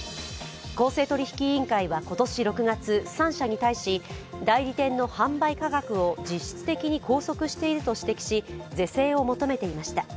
公正取引委員会は今年６月三社に対して代理店の販売価格を実質的に拘束していると指摘し、是正を求めていました。